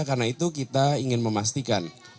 karena itu kita ingin memastikan